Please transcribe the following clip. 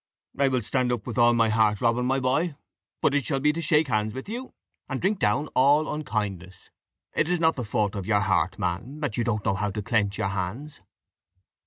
"I will stand up with all my heart, Robin, my boy, but it shall be to shake hands with you, and drink down all unkindness. It is not the fault of your heart, man, that you don't know how to clench your hands."